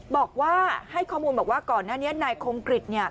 บอกว่าให้ข้อมูลบอกว่าก่อนหน้านี้นายคมกริจ